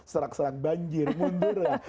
serak serak banjir mundur lah